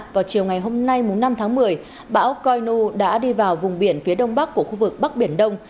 vào chiều ngày hôm nay năm tháng một mươi bão coi nu đã đi vào vùng biển phía đông bắc của khu vực bắc biển đông